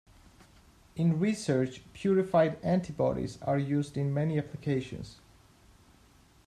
In research, purified antibodies are used in many applications.